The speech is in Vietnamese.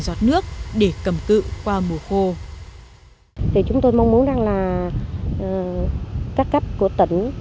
giọt nước để cầm cự qua mùa khô chúng tôi mong muốn các cấp của tỉnh